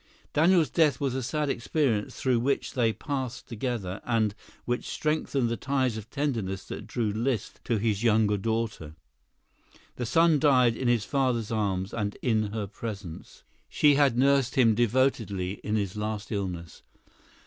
Daniel's death was a sad experience through which they passed together, and which strengthened the ties of tenderness that drew Liszt to his younger daughter. The son died in his father's arms and in her presence. She had nursed him devotedly in his last illness.